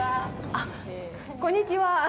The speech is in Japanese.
あっ、こんにちは。